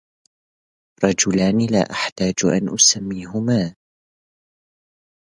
رجلان لا أحتاج أن أسميهما